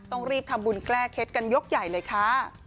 ต้องรีบทำบุญแก้เคล็ดกันยกใหญ่เลยค่ะ